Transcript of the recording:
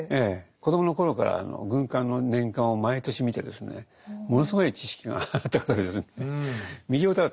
子どもの頃から軍艦の年鑑を毎年見てですねものすごい知識があった方ですね。